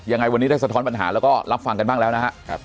ยังไงวันนี้ได้สะท้อนปัญหาแล้วก็รับฟังกันบ้างแล้วนะครับ